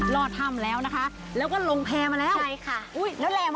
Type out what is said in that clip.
ร่องถ่ำแล้วนะคะแล้วก็ลงแพร์มาแล้ว